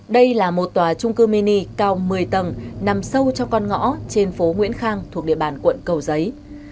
đây là một tòa trung cư mini cao một mươi tầng nằm sâu trong con ngõ trên phố nguyễn khang thuộc địa bàn quận cầu giấy